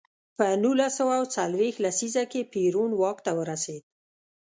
په نولس سوه څلویښت لسیزه کې پېرون واک ته ورسېد.